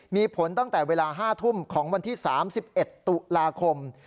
มีผลตั้งแต่เวลา๕ทุ่มของวันที่๓๑ตุลาคม